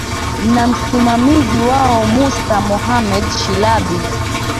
na msimamizi wao mustar mohamed shilabi